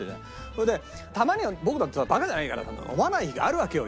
それでたまには僕だってバカじゃないから飲まない日があるわけよ。